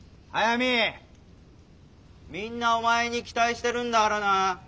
みんなおまえに期待してるんだからな！